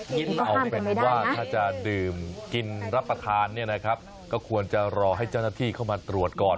เอาเป็นว่าถ้าจะดื่มกินรับประทานเนี่ยนะครับก็ควรจะรอให้เจ้าหน้าที่เข้ามาตรวจก่อน